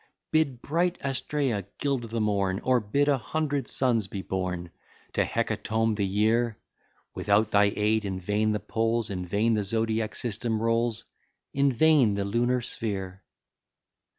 Bid bright Astræa gild the morn, Or bid a hundred suns be born, To hecatomb the year; Without thy aid, in vain the poles, In vain the zodiac system rolls, In vain the lunar sphere.